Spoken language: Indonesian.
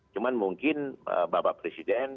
cuman mungkin bapak presiden